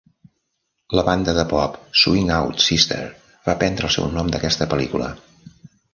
La banda de pop Swing Out Sister va prendre el seu nom d'aquesta pel·lícula.